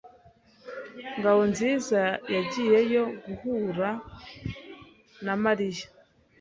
Ngabonziza yagiyeyo guhura na Mariya.